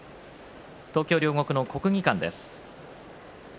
東京・両国の国技館です。